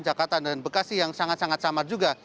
jakarta dan bekasi yang sangat sangat samar juga